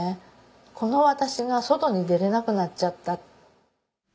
この私が外に出れなくなっちゃった。